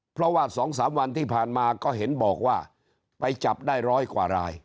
เพราะว่า๒๓วันที่ผ่านมาก็เห็นบอกว่าไปจับได้ร้อยกว่าราย